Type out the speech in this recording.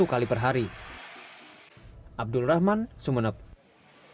untuk tahap ketiga jadwal penerbangan sumeneb surabaya hanya ditempuh sekitar empat puluh menit